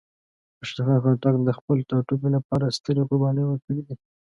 خوشحال خان خټک د خپل ټاټوبي لپاره سترې قربانۍ ورکړې دي.